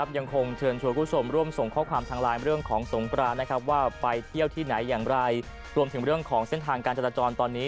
ยอมถึงเรื่องของเมืองการจัดปลวงตอนนี้